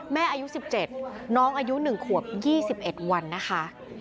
อายุ๑๗น้องอายุ๑ขวบ๒๑วันนะคะ